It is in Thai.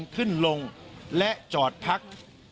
ขึ้นลงและจอดพัก